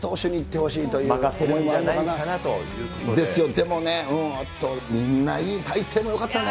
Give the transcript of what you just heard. でもね、本当、みんないい、大勢もよかったね。